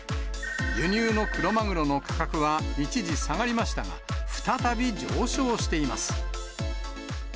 輸入のクロマグロの価格は一時下がりましたが、再び上昇しています。